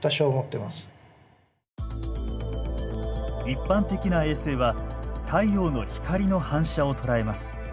一般的な衛星は太陽の光の反射を捉えます。